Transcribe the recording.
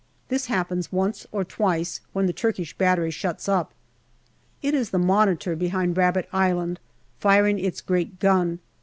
This happens once or twice, when the Turkish battery shuts up. It is the Monitor behind Rabbit Island firing its great gun.